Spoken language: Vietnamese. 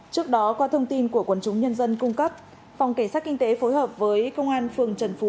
trước đó qua thông tin của quần chúng nhân dân cung cấp phòng cảnh sát kinh tế phối hợp với công an phường trần phú